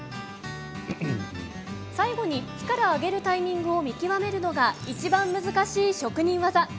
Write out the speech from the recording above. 最後に火から上げるタイミングを見極めるのがいちばん難しい職人技。